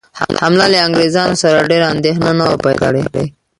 حمله له انګرېزانو سره ډېره اندېښنه نه وه پیدا کړې.